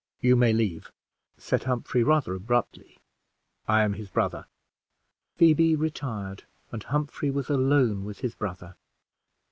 "You may leave," said Humphrey, rather abruptly; "I am his brother." Phoebe retired, and Humphrey was alone with his brother.